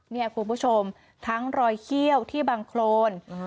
เนี่ยคุณผู้ชมทั้งรอยเขี้ยวที่บังโครน